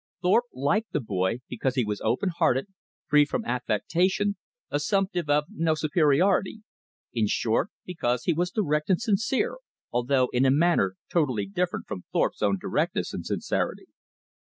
Thorpe liked the boy because he was open hearted, free from affectation, assumptive of no superiority, in short, because he was direct and sincere, although in a manner totally different from Thorpe's own directness and sincerity.